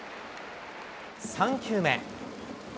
３球目。